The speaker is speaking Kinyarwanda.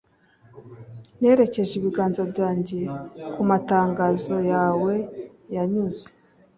Nerekeje ibiganza byanjye ku matangazo yawe yanyuze